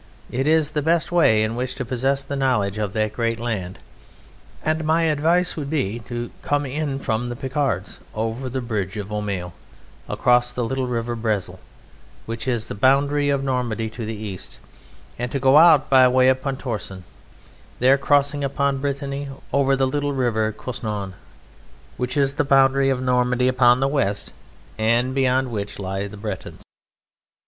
It is the best way in which to possess a knowledge of that great land, and my advice would be to come in from the Picards over the bridge of Aumale across the little River Bresle (which is the boundary of Normandy to the east), and to go out by way of Pontorson, there crossing into Brittany over the little River Couesnon, which is the boundary of Normandy upon the west and beyond which lie the Bretons.